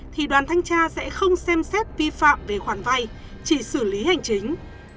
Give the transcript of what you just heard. thì đoàn thanh tra sẽ không xem xét vi phạm về khoản vay chỉ xử lý hành chính